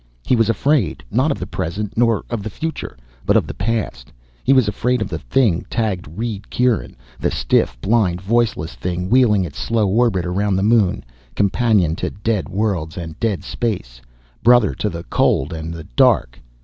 He was afraid, not of the present, nor of the future, but of the past. He was afraid of the thing tagged Reed Kieran, the stiff blind voiceless thing wheeling its slow orbit around the Moon, companion to dead worlds and dead space, brother to the cold and the dark.